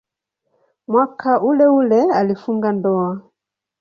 Mwaka uleule alifunga ndoa.